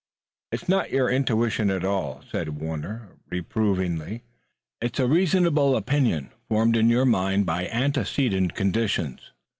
"It's not your intuition at all," said Warner reprovingly. "It's a reasonable opinion, formed in your mind by antecedent conditions.